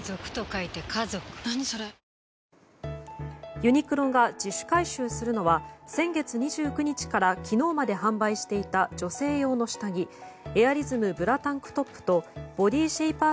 ユニクロが自主回収するのは先月２９日から昨日まで販売していた女性用の下着エアリズムブラタンクトップとボディシェイパー